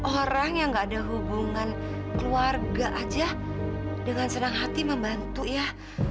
orang yang gak ada hubungan keluarga aja dengan senang hati membantu ya